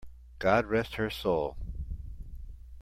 God rest her soul!